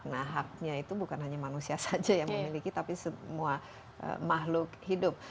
nah haknya itu bukan hanya manusia saja yang memiliki tapi semua makhluk hidup